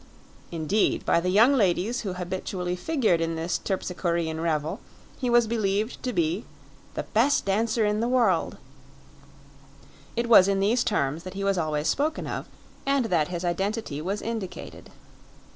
Indeed, by the young ladies who habitually figured in this Terpsichorean revel he was believed to be "the best dancer in the world"; it was in these terms that he was always spoken of, and that his identity was indicated.